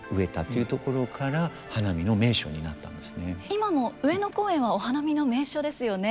今も上野公園はお花見の名所ですよね。